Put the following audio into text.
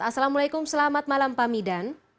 assalamualaikum selamat malam pak midan